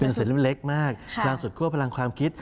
เป็นสัญลักษณ์เล็กมากพลังสุดกลัวพลังความคิด